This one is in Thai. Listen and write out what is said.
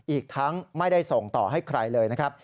อีกทั้งไม่ได้ส่งต่อให้ใครเลยนะครับ